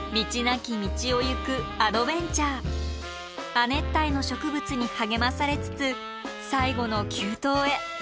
亜熱帯の植物に励まされつつ最後の急登へ。